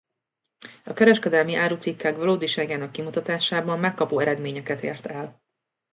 A kereskedelmi árucikkek valódiságának kimutatásában megkapó eredményeket ért el.